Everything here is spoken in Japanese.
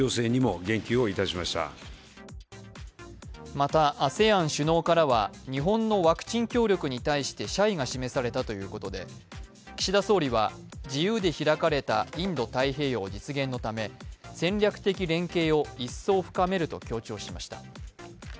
またＡＳＥＡＮ首脳からは日本のワクチン協力に対して謝意が示されたということで、岸田総理は自由で開かれたインド太平洋実現のため、戦略的連携を一層深めると強調しました。